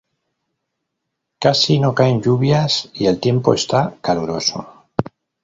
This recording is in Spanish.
Casi no caen lluvias y el tiempo está caluroso.